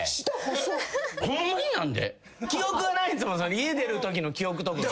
家出るときの記憶とかが。